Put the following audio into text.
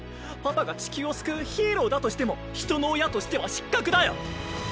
パパが地球を救うヒーローだとしても人の親としては失格だよ！